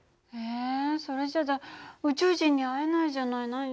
えそれじゃあ宇宙人に会えないじゃない。